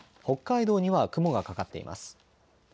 北海道には雲がかかっています。